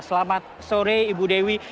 selamat sore ibu dewi